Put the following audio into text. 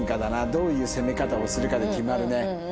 どういう攻め方をするかで決まるね。